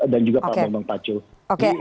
dan juga pak bambang paco